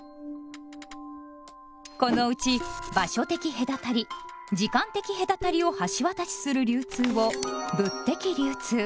このうち場所的隔たり・時間的隔たりを橋渡しする流通を「物的流通」。